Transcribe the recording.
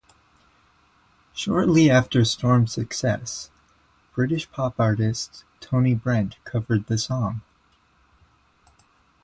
Shortly after Storm's success, British pop artist, Tony Brent covered the song.